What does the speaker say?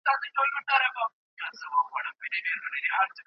تاریخي متون د ګرګین د ناوړه چلند په اړه ډېر لږ تفصیل ورکوي.